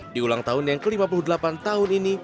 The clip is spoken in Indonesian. di ulang tahun yang ke lima puluh delapan tahun ini